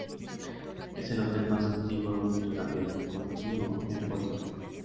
Es el hotel más antiguo en funcionamiento continuo en Puerto Rico.